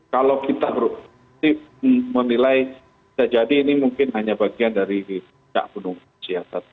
kalau kita menilai sejadi ini mungkin hanya bagian dari penumpang siasat